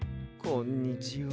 こんにちは。